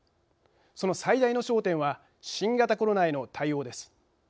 その最大の焦点は新型コロナへの対応です。